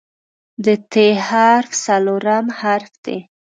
د "ت" حرف څلورم حرف دی.